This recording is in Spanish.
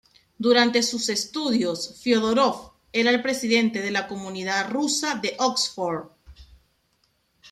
Durante sus estudios Fiódorov era el presidente de la comunidad Rusa de Oxford.